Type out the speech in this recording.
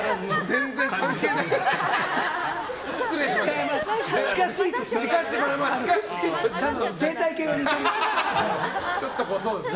全然関係ないです。